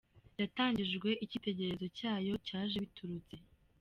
Yatangijwe Igitekerezo cyayo cyaje biturutse.